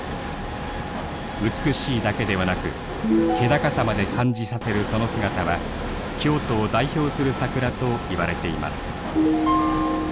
美しいだけではなく気高さまで感じさせるその姿は京都を代表する桜といわれています。